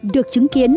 được chứng kiến